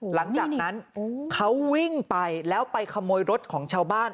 หลังจากนั้นเขาวิ่งไปแล้วไปขโมยรถของชาวบ้าน